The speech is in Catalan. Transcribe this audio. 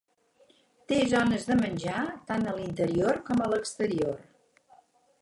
Té zones de menjar, tant a l"interior com a l"exterior.